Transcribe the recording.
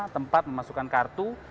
tempat memasukkan kartu